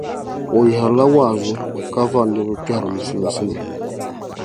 O yihirila waazu ka vɔri niriba kpɛri Musulinsi ni